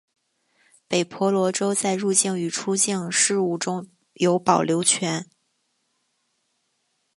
北婆罗洲在入境与出境事务中有保留权。